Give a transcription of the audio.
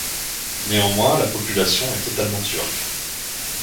Néanmoins la population est totalement turque.